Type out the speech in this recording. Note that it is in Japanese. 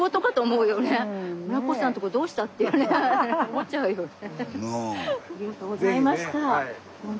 思っちゃうよね。